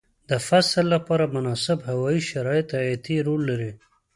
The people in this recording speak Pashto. د فصل لپاره مناسب هوايي شرایط حیاتي رول لري.